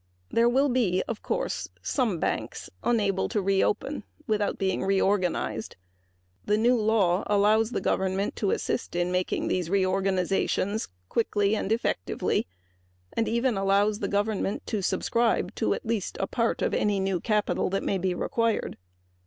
There will be, of course, some banks unable to reopen without being reorganized. The new law allows the government to assist in making these reorganizations quickly and effectively and even allows the government to subscribe to at least a part of new capital which may be required.